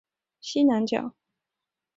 明清北京皇城有两个西南角。